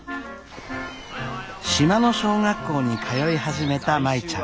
島の小学校に通い始めた舞ちゃん。